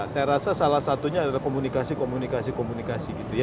saya rasa salah satunya adalah komunikasi komunikasi gitu ya